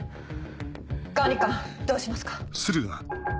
管理官どうしますか？